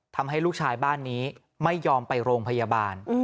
ทำให้ลูกชายบ้านนี้ไม่ยอมไปโรงพยาบาล